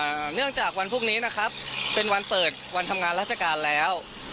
เนื่องจากวันพรุ่งนี้นะครับเป็นวันเปิดวันทำงานราชการแล้ว